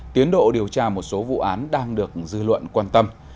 tiến độ điều tra một số vụ án đang được dư luận quan tâm